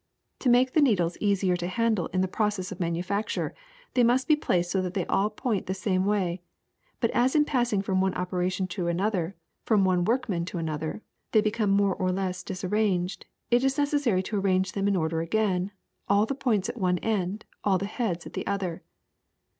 To make the needles easier to handle in the process of manu facture, they must be placed so that they all point the same way ; but as in passing from one operation to another, from one workman to another, they be come more or less disarranged, it is necessary to arrange them in order again, all the points at one end, all the heads at the other.